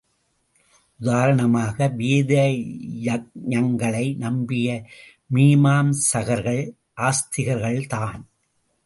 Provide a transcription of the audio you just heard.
உதாரணமாக வேத யக்ஞங்களை நம்பிய மீமாம்சகர்கள் ஆஸ்திகர்கள்தான்.